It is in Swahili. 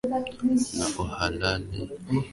na uhalali wa maamuzi wa serikali yake